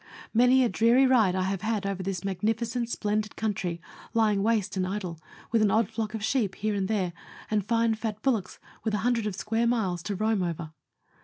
Many a Letters from Victorian Pioneers. 119 dreary ride I have had over this magnificent, splendid country, lying waste and idle, with an odd flock of sheep here and there and fine, fat bullocks with hundreds of square miles to roam over.